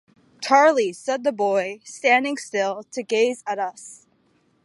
"Charley," said the boy, standing still to gaze at us.